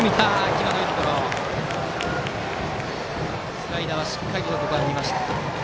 スライダーをしっかり見ました。